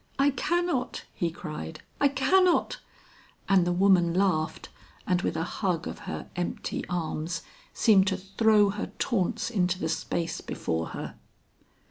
"I cannot," he cried, "I cannot." And the woman laughed, and with a hug of her empty arms, seemed to throw her taunts into the space before her.